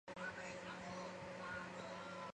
自家经营碾米厂